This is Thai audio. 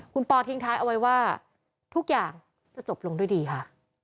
คุณปอทิ้งท้ายเอาไว้ว่าทุกอย่างจะจบลงด้วยดีค่ะ